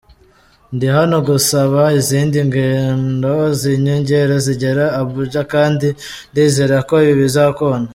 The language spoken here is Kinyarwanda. Ndi hano gusaba izindi ngendo z’inyongera zigera Abuja kandi ndizera ko ibi bizakunda.